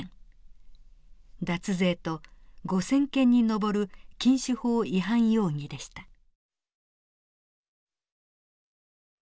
脱税と５，０００件に上る禁酒法違反容疑でした。